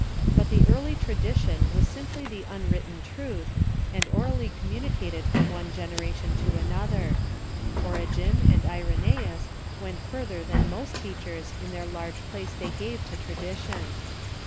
But the early tra dition was simply tlie unwritten truth, and orally communi cated from one generation to another. Origen and Irenoeus went further than most teachers in the large place they gave to tradition.